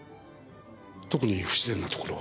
特に不自然なところは。